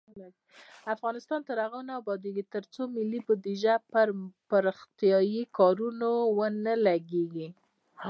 افغانستان تر هغو نه ابادیږي، ترڅو ملي بودیجه پر پراختیايي کارونو ونه لګیږي.